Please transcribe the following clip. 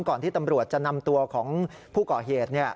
ที่ตำรวจจะนำตัวของผู้ก่อเหตุ